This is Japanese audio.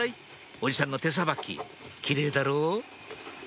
おじさんの手さばきキレイだろう？